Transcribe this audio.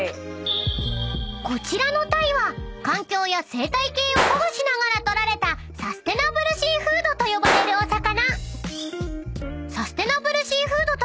［こちらのタイは環境や生態系を保護しながら取られたサステナブル・シーフードと呼ばれるお魚］